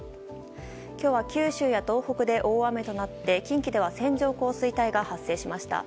今日は九州や東北で大雨となって近畿では線状降水帯が発生しました。